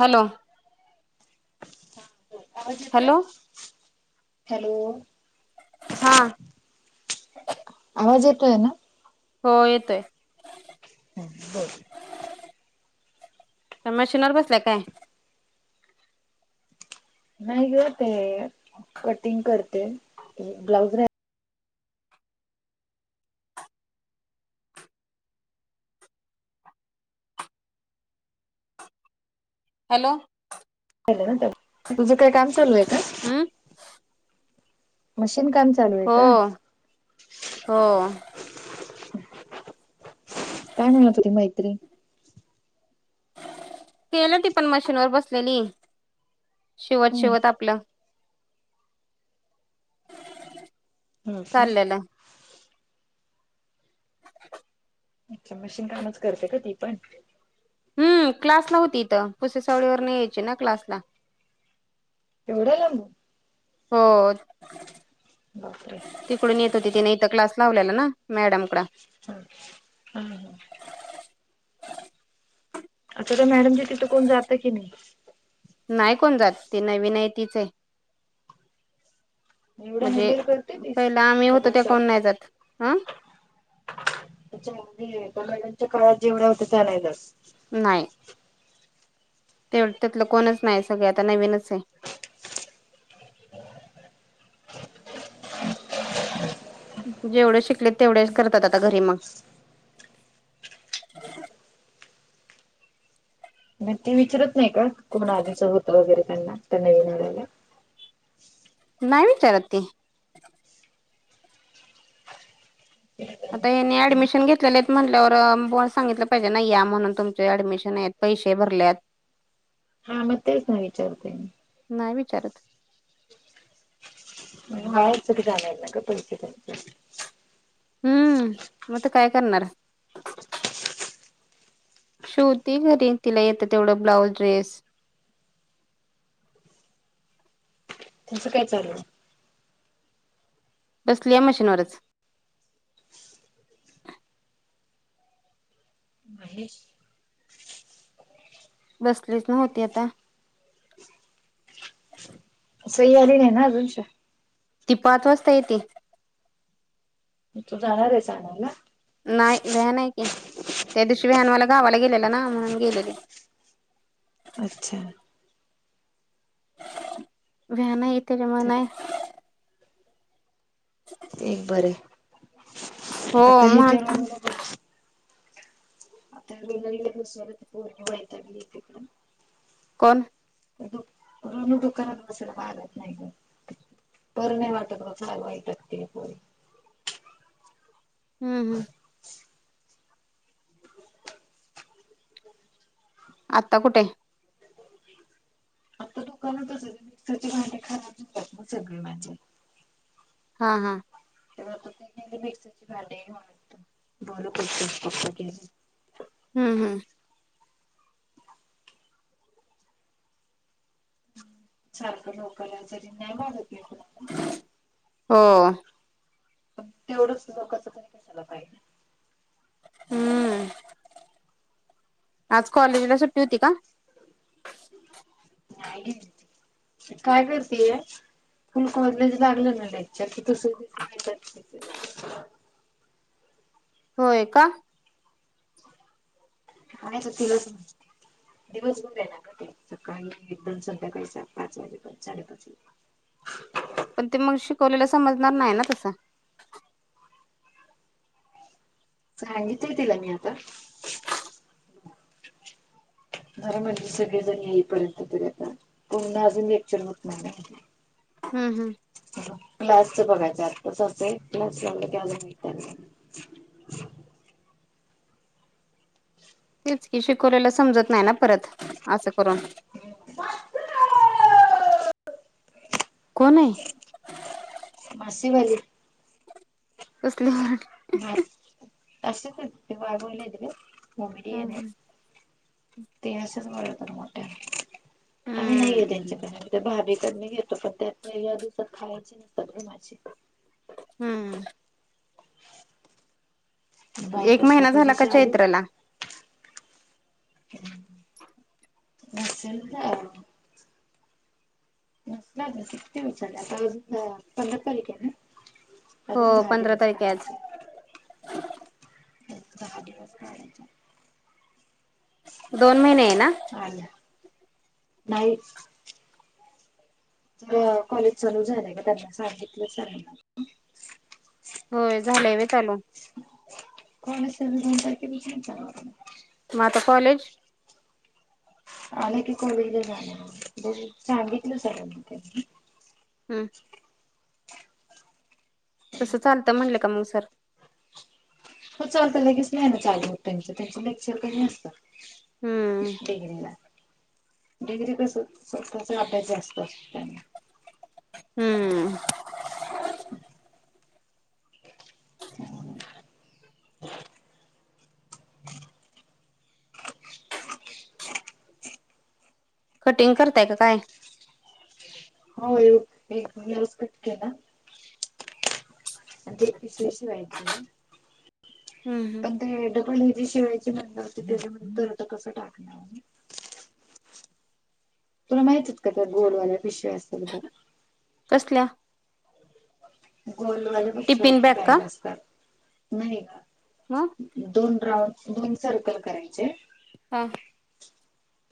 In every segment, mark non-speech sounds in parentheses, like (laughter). Hello आवाज hello hello हा आवाज येतोय ना हो येतोय बर मशीनवर बसलाय काय नाही ग ते कटिंग करते ब्लाउज रा हॅलो ना तुझं काय काम चालूय का अम मशीन काम चालूय हो का हो काय म्हणणार ती मैत्री केलं ती पण मशीनवरर बसलेली शिवत हम्म. शिवत आपलं हो का चाललेलं अच्या मशीन कामच करते का ती पण हम् क्लास ला होती इत पुसे सावळीवरन यायची ना क्लासला एवडया लांब हो बापरे तिकडून येत होती तिन इत क्लास लावलेला ना मॅडम कड हम हम् हम अच्या त्या मॅडम जी तिथं कोण जातं की नाही नाइ कोण जात ती नवीन आय तीच आय (unintelligible) निवढ्या म्हणजे हॅडल करते तीस पहिला आम्ही होतो त्या प्रकाश कोण नाही जात ह अछ म्हणजे मॅडच्या काळात जेवढ होत त्यानाला नाही तेव त्यातलं कोणच नाही सगळ आता नवीनच आहे जेवढे शिकले तेवढेच करतात आता घरी मग ह मग ते विचारत नाही का कोण आधीचं होतं वगैरे त्यांना त्यांना विनाायला नाही विचारात आता याने ऍडमिशन घेतलेले आहेत म्हटल्यावरण सांगितलं पाहिजे नाही या म्हणून तुमचे ऍडमिशन आहेत पैसे भरल्यात हा मग तेच ना विचारते म नाही विचारत हा स जा ना का पैसे त्यां हम्म मग ते काय करणार शिवती घरी तिला येतं तेवढं ब्लाउज ड्रेस तुचं काय चाललंय बसली ए मशीनवरच महेश बसलेच न हो्हती आता स्यारी नाही ना अजूनच्या ती पाच वाजता येते तू जाणार आहेचणार ना नाही व्हॅन आहे की त्या दिवशी व्हॅनवाला गावाला गेलेला ना म्हणून गेलेले अच्छा व्याना येत रे ते मन ह एक बरे हो आता हे म्हणून ठेव आता स्त पर् यकड कोण ऋणू दुकानात बसला पागत नाही ग बरं नाही वाटत ल वाईट त परी हम् हम् आत्ता कुठे दु मिक्सर भांडे खा श सग माणजे हा हा मिक्सरची भांड्याऊनत बोल हम्म हम्म सारखं लोकला तरी नाही्याय वाजत नाही हो ण तेवढंच लोकच कशाला पाहिजे हम्म आज कॉलेजला सुट्टी होती का नाही काय करतेय फुल कॉलेज लागलं ना त्याच्या क तस मिळतात होय का काय तर तल त दिवसभर आहे ना का ते सकाळी दन संध्याकाळी पाच वाजेप साडेपाच वाज पण ते मग शिकवलेलं समजणार नाही ना तसं सांगितलं तला मी आता र म्हणजे सगळेजण येईपर्यंत तरी आता पण अजून लेक्चर होत नाही नाही हम् हम् स्च बघायचं आच असं तेच कि शिकवलेला समजत नाही ना परत असं करून (inaudible) कोण आहे मासी भरी कसली भागला भमडीन हम्म ते असेच बर तर मोठ्या आम्ही नाहीये हम्म त्यांच्याकडे ते भाभीकड मी घेतो पण त्या या दिवसात खायची नसतात घमायची हम्म एक महिना झाला का चैत्रला अस न किती विचारलं आताजून पंधर तारीख आहे ना हो अजून दहा पंधरा दिवस काय तारखेच दहा दिवस कयचा दोन महिने आहे ना अ नाही ज कॉलेज चालू झालंय का त्यांना सांगितलं सना होय झालंय व चालू कण तुमचाार विष जा माता कॉलेज आणि ती कॉलेजला जाणार बघ सांगितलं सर्यांनी त्यांनी हम तसं चालतं म्हटलं का मग सर हो चालत लगेच नाही नाच आज हो त्यांच त्यांचे लेक्चर कध असतं हम्म देघ ना डिग्री तर स्वतःच आपल्यास जास्त असनी हम्म ह (inaudible) कटिंग करताय का काय हो ये एक याच कटक ना अ ते पिसशी व्हायची आहे हम् हम् पण ते डपल जी शिवायची म होती त्याच्यामध्ये तर आ कसं टाकणार तुला माहित आहेत का त्या गोडवाल्या्या विषयस बब कसल्या गोलवाले बर टिफिन का बॅग असतात नाही का हा दोन राऊंड दोन सर्कल करायचे हां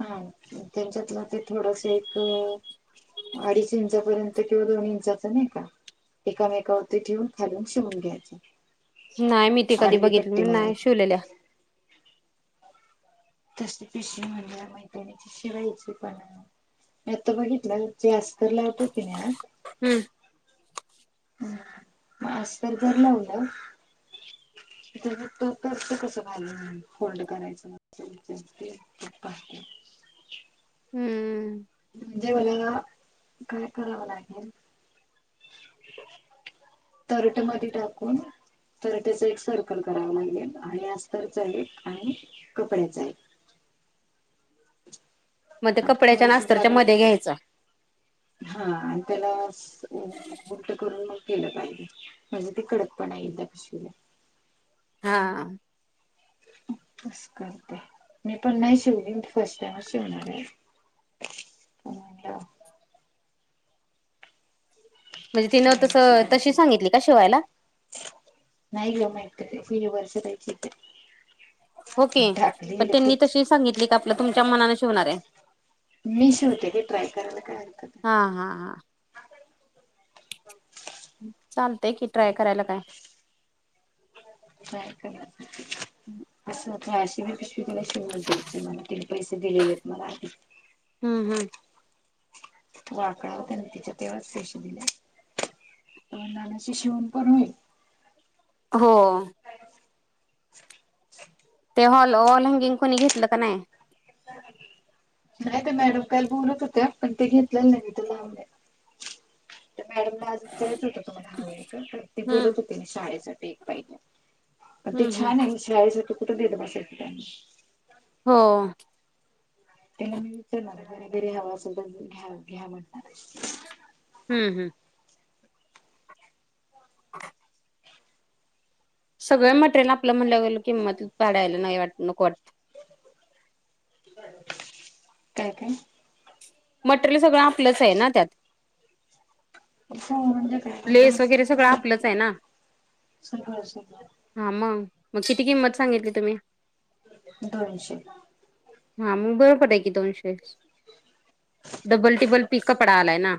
हा त्यांच्यात म ते थोडस एक अडीच इंचापर्यंत किंवा दोन इंचा नाही का एकामेकावरती ठेऊन खालून शिवून घ्यायचं नाही मी ते कधी आडवी बघितली पट्टी मी मारायची नाही शिवलेल्या तसे कृष म्हंडला मैदानीच्या शिवायचे पणा मी आता बघितलं जे अस्त लावतो की नाही हम्म मास्तर घरला उडला ओ त्या तो तो तर कसा होल्ड करायच (unintelligible) हम्म म्हणजे मला काय करावं लागेल तरटमध्ये टाकून तरटचा एक सर्कल करावं लागेल आणि अस्तरच एक आणि कपड्याचा एक मग ते कपड्याच्या आणि थोडीशी अस्तरच्या जागा मध्ये घ्यायचं हा आणि त्याला गुट करून मग केलं पाहिजे म्हणजे ते कडकपणा येईल त्या पिशवीला हा तसं करते मी पण नाही शिवली फर्स्ट टाइमच शिवणार आहे पण म्हणलं म्हणजे तिनं द्यायची तसं त्याला तशी ते सांगितली का शिवायला नाही घेऊ म्हटलं ते वर्ष देयची तर हो की पण त्यांनी तशी सांगितली का आपलं तुमच्या मनान शिवणार आहे मी शिवते की ट्राय करायला काय हरकत हां आहे हां हां चालतय कि ट्राय करायला काय नाय काय असं अशी बी पिशवी तिला शिवून द्यायची मला तिने पैसे दिलेले आहेत मला आधी हम्म हम्म वाकळा होत्या तिच्या तेव्हाच‌ पैशे दिले नाण्याची शिवून पण होईल हो ते हॉल हॉल हँगिंग कोणी घेतलं का नाही नाही ते मॅडम काल बोलत होत्या पण ते घेतलेलं नाही ते लावण्या तर मॅडमला आज विचारायच होत तुम्हाला हव आहे का ते हम्म बोलत होती शाळेसाठी एक पाहिज पण ते हम्म हम्म छान आहे शाळेसाठी कुठे देत बसायच त्यांना हो त्यांना मी विचारणार आहे घरी हवा असेल तर घ्या घ्या म्हणणार आहे हम्म हम्म (inaudible) सगळं मटेरिल आपलं म्हणलं गेल किंमत पाडायला नाही वाटत नको वाटत काय काय मटेरियल सगळं आपलंच आहे ना त्यात म्हणजे काय लेस वगैरे सगळं आपलंच आहे ना सगळ सगळ हां मग मग किती किंमत सांगितली तुम्ही दोनशे हा मग बरोबर आहे की दोनशे डबल टिबल पीक कपडा आलाय ना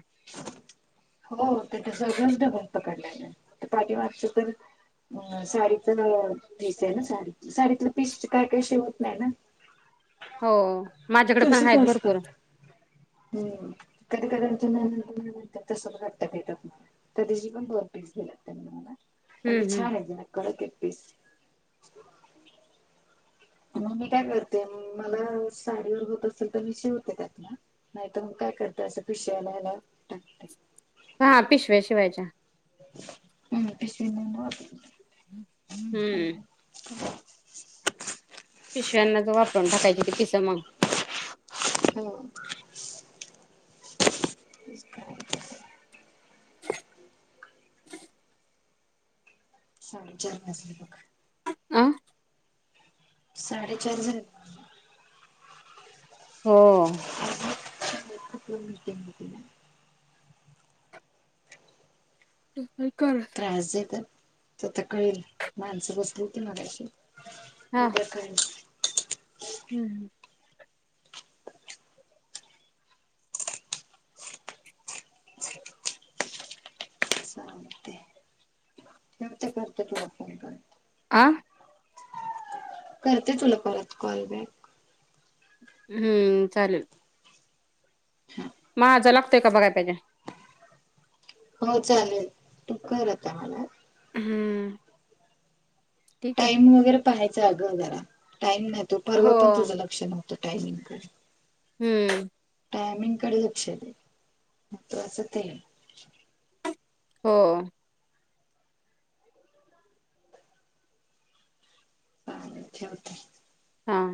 हो तेथ सगळच ढबळ पकडलेलं आहे ते पाठी मागच तर अ साडीच पीस आहे ना साडी साडीतलं पीस काय काय शिवत नाही ना हो माझ्याकडे पण तसेच आहेत असतं भरपूर हम्म कधी कधीत तस वाटत ते त्यातन तरी जी पण फॉर पिक्स घेतात म्हणा मला पण हम्म ते हम्म छान आहेत कडक आहेत पीस मग मी काय करते मला साडीवर होत असेल तर मी शिवते त्यातला नाहीत मग काय करते असं पिश्यालायला टाकते हा पिशव्या शिवायच्या हम् पिसवी म ह हम्म पिशव्यांना ज वापरून टाकायची त पिसमाग हम् तेच करायचं चाले चले बघ अह साडेचार हजार हो होती कर तर तरता कळेल माणसं बसलती मलाशी थ हम् न ते करत तुला फोन परत आं करते तुला परत कॉल बॅक हम्म चाल हा मझा लागतोय का बघाय पाहिजे हो चालेल तू कर आता मला. हम्. टाइम वगैरे पाहायचं अगं जरा टाइम नाहीतो हो परवा पण तुझं लक्ष नव्हतं टायमिंगकडे. हम्म. टामिंग कडे लक्ष दे महत्त्वाचं ते. हो. चाले ठेवते. हां.